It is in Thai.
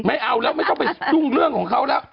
ไม่เอาไม่ต้องไปดุ้งเลือกของเขาแล้ว